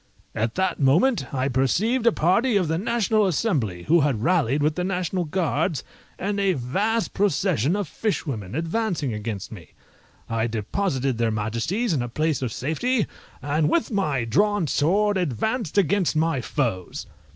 At that moment I perceived a party of the National Assembly, who had rallied with the National Guards, and a vast procession of fishwomen, advancing against me. I deposited their Majesties in a place of safety, and with my drawn sword advanced against my foes.